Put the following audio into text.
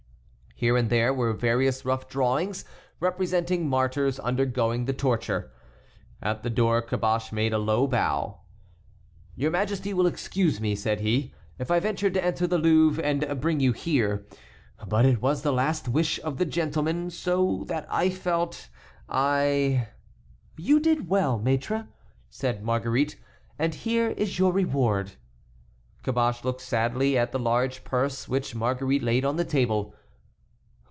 Here and there were various rough drawings representing martyrs undergoing the torture. At the door Caboche made a low bow. "Your majesty will excuse me," said he, "if I ventured to enter the Louvre and bring you here. But it was the last wish of the gentleman, so that I felt I"— "You did well, Maître," said Marguerite, "and here is a reward for you." Caboche looked sadly at the large purse which Marguerite laid on the table.